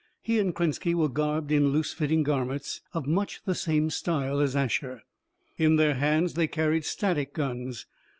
He and Krenski were garbed in loose fitting garments of much the same style as Asher. In their hands, they carried static guns.